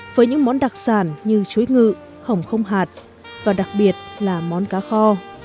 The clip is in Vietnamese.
với những món đặc sản như chuối ngự hồng không hạt và đặc biệt là món cá kho